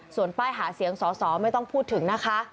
ส่วนป้ายหาเสียงสอสอไม่ต้องพูดถึงนะคะ